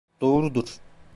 Doğrudur.